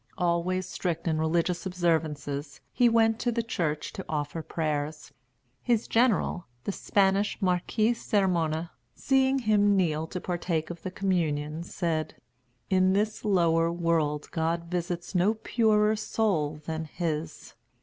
Always strict in religious observances, he went to the church to offer prayers. His general, the Spanish Marquis Hermona, seeing him kneel to partake of the communion, said: "In this lower world God visits no purer soul than his."